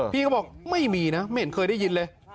พี่ก็บอกไม่มีนะไม่เห็นเคยได้ยินเลย